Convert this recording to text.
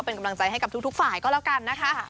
เป็นกำลังใจให้กับทุกฝ่ายก็แล้วกันนะคะ